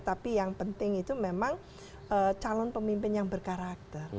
tapi yang penting itu memang calon pemimpin yang berkarakter